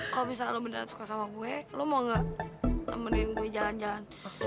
kalau bisa kalau mendarat suka sama gue lo mau gak nemenin gue jalan jalan